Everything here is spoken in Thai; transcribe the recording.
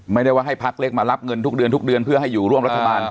ไม่ได้ว่าให้พักเล็กมารับเงินทุกเดือนทุกเดือนเพื่อให้อยู่ร่วมรัฐบาล